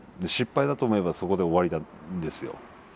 失敗だと思えばそこで終わるんですよ。